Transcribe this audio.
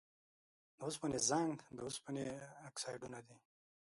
د اوسپنې زنګ د اوسپنې اکسایدونه دي.